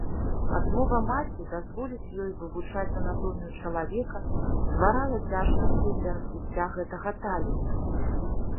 Адмова маці дазволіць ёй вывучаць анатомію чалавека стварала цяжкасці і для развіцця гэтага таленту.